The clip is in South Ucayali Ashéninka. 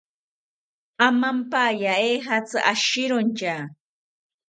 Amampaya ejatzi ashirontya